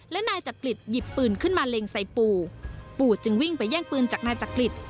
และนายจักริตหยิบปืนขึ้นมาเล็งใส่ปู่ปู่จึงวิ่งไปแย่งปืนจากนายจักริต